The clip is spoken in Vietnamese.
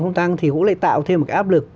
không tăng thì cũng lại tạo thêm một cái áp lực